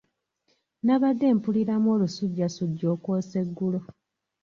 Nnabadde mpuliramu olusujjasujja okwosa eggulo.